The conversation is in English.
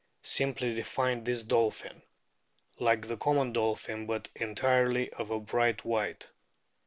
simply defined this dolphin : like the common dolphin, but entirely of a bright white."